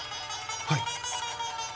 はい。